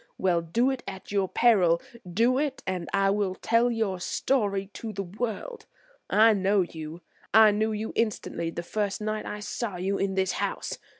Well, do it at your peril! Do it, and I will tell your story to the world. I know you; I knew you instantly the first night I saw you in this house.